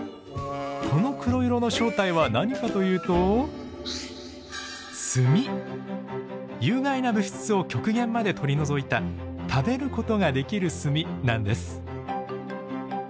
この黒色の正体は何かというと有害な物質を極限まで取り除いた食べることができる炭なんです。